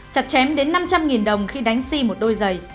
chặt chém đến năm trăm linh đồng khi đánh xi một đôi giày